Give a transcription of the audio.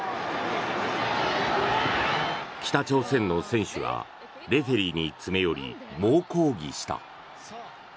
北朝鮮の選手がレフェリーに詰め寄り猛抗議した。